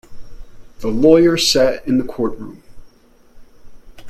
The lawyer sat in the courtroom.